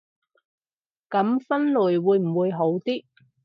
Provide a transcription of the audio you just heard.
噉分類會唔會好啲